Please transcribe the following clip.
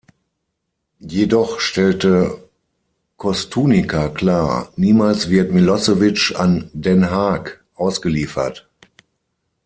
Jedoch stellte Koštunica klar: „"Niemals wird Milosevic an Den Haag ausgeliefert!